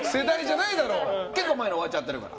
結構前に終わっちゃってる。